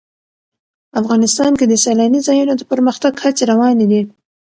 افغانستان کې د سیلانی ځایونه د پرمختګ هڅې روانې دي.